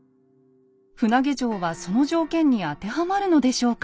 船上城はその条件に当てはまるのでしょうか？